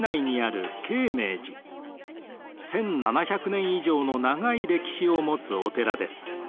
１，７００年以上の長い歴史を持つお寺です。